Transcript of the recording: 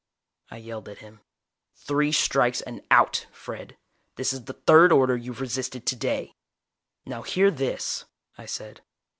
I yelled at him. "Three strikes and out, Fred. This is the third order you've resisted today!" "Now hear this," I said.